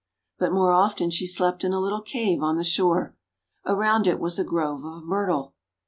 But more often she slept in a little cave on the shore. Around it was a grove of Myrtle.